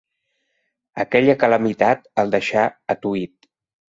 Aquella calamitat el deixà atuït.